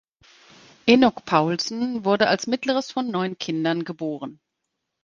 Enok Poulsen wurde als mittleres von neun Kindern geboren.